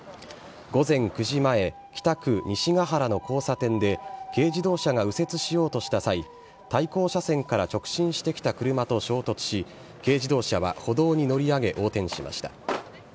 午前９時前、北区西ヶ原の交差点で、軽自動車が右折しようとした際、対向車線から直進してきた車と衝突し、軽自動車は歩道に乗り上げ、横転しました。